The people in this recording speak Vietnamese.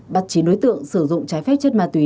bắt chín đối tượng sử dụng trái phép chất ma túy